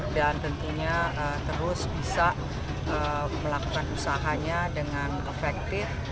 dan tentunya terus bisa melakukan usahanya dengan efektif